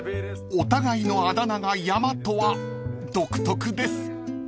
［お互いのあだ名が山とは独特です］